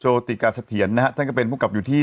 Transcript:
ติกาเสถียรนะฮะท่านก็เป็นผู้กลับอยู่ที่